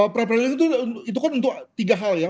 prediksi itu kan untuk tiga hal ya